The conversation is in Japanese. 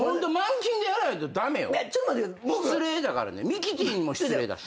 ミキティにも失礼だし。